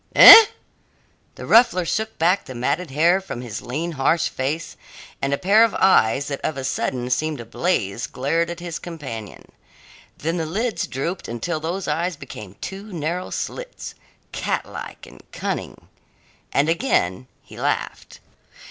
"Eh?" The ruffler shook back the matted hair from his lean, harsh face, and a pair of eyes that of a sudden seemed ablaze glared at his companion; then the lids drooped until those eyes became two narrow slits catlike and cunning and again he laughed.